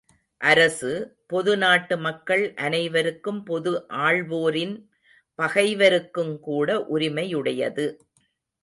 அரசு, பொது நாட்டு மக்கள் அனைவருக்கும் பொது ஆள்வோரின் பகைவருக்குக்கூட உரிமையுடையது.